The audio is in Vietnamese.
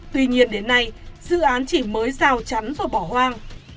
tuy nhiên đến nay dự án chỉ mới rào chắn rồi bỏ hoang